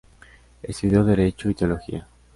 Estudió Derecho y Teología.